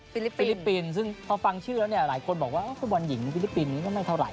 ฟิลิปปินส์ซึ่งพอฟังชื่อแล้วเนี่ยหลายคนบอกว่าฟุตบอลหญิงฟิลิปปินส์นี้ก็ไม่เท่าไห